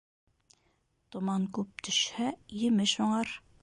Томан күп төшһә, емеш уңыр.